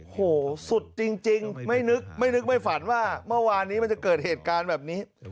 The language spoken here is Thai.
โอ้โหสุดจริงไม่นึกไม่นึกไม่ฝันว่าเมื่อวานนี้มันจะเกิดเหตุการณ์แบบนี้